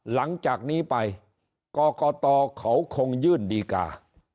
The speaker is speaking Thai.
หลังจากนี้ไปกรกตเขาคงยื่นดีกา